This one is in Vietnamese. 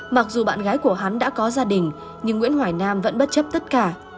mặc dù bạn gái của hắn đã có gia đình nhưng nguyễn hoài nam vẫn bất chấp tất cả